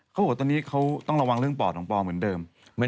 เขาบอกว่าตอนนี้เขาต้องระวังเรื่องปอดของปอเหมือนเดิม